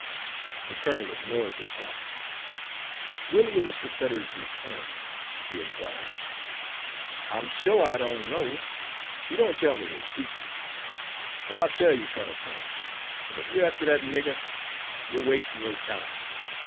The colonel ignored the taunt. "When will Mr. Fetters return?" he inquired. "I'm shore I don't know. He don't tell me his secrets. But I'll tell you, Colonel French, that if you're after that nigger, you're wastin' your time.